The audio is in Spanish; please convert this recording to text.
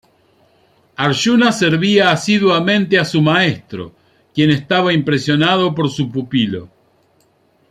Aryuna servía asiduamente a su maestro, quien estaba impresionado por su pupilo.